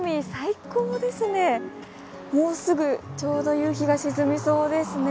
もうすぐちょうど夕日が沈みそうですね。